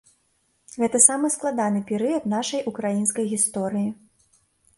Гэта самы складаны перыяд нашай украінскай гісторыі.